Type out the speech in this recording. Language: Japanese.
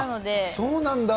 そうなんだ。